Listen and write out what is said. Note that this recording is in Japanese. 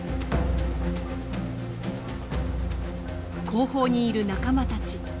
後方にいる仲間たち。